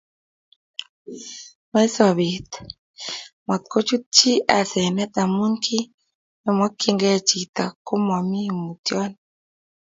Nwach sobet matkochut chi asenet amu kiy nemokchinikei chito komomii mutyonet